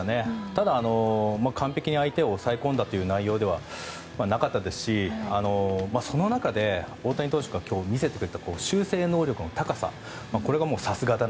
ただ、完璧に相手を抑え込んだ内容ではなかったですしその中で大谷投手が今日見せてくれた修正能力の高さ